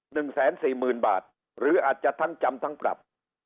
หนึ่งแสนสี่หมื่นบาทหรืออาจจะทั้งจำทั้งปรับ